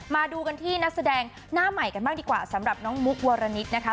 มาดูกันที่นักแสดงหน้าใหม่กันบ้างดีกว่าสำหรับน้องมุกวรณิตนะคะ